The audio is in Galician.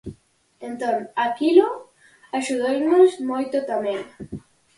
Entón, aquilo axudounos moito tamén.